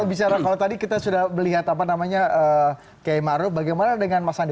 oke mas waleed kalau tadi kita sudah melihat apa namanya qiyai ma'ruf bagaimana dengan mas andi